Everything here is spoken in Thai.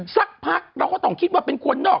สักพักเราก็ต้องคิดว่าเป็นคนนอก